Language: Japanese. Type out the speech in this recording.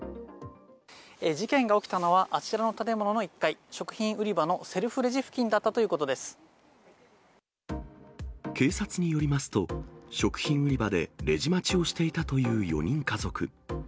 事件が起きたのは、あちらの建物の１階、食品売り場のセルフレジ付近だったというこ警察によりますと、食品売り場でレジ待ちをしていたという４人家族。